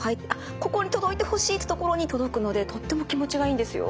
ここに届いてほしいってところに届くのでとっても気持ちがいいんですよ。